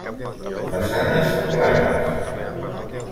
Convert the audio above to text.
Façanes planes.